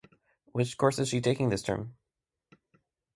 Which course is she taking this term?